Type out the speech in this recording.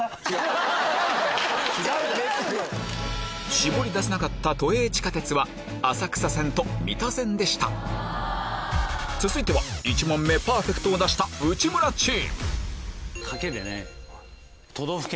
絞り出せなかった都営地下鉄は浅草線と三田線でした続いては１問目パーフェクトを出した内村チーム賭けでね「都道府県」。